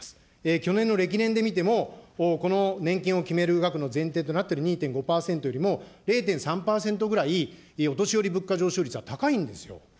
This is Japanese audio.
去年の歴年で見ても、この年金を決める額の前提となっている２．５％よりも０．３％ぐらい、お年寄り物価上昇率は高いんですよ。